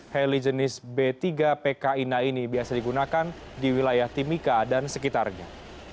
heli jenis b tiga pki na ini biasa digunakan di wilayah timika dan sekitarnya